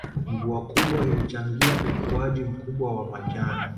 Mvua kubwa ilichangia ukuaji mkubwa wa majani